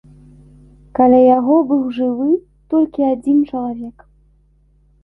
Каля яго быў жывы толькі адзін чалавек.